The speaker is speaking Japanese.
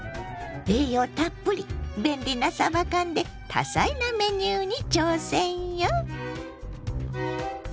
栄養たっぷり便利なさば缶で多彩なメニューに挑戦よ！